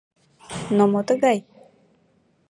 Но мо тыгай?